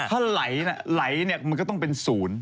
ถ้าไหลเนี่ยไหลเนี่ยมันก็ต้องเป็น๐